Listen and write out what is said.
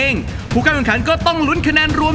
อย่าหาว่าผมไม่เตือนนะครับ